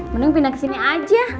mending pindah ke sini aja